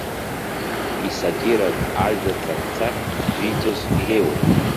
Исатиратә ажәа цаҳәцаҳә зжәиҵоз иреиуоуп.